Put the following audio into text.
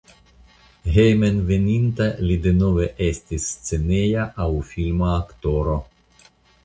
Hejmenveninta li denove estis sceneja aŭ filma aktoro.